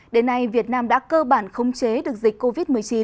đến nay việt nam đã cơ bản khống chế được dịch covid một mươi chín